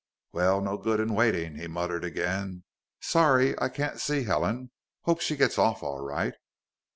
"Well, no good in waiting," he muttered again. "Sorry I can't see Helen. Hope she gets off all right."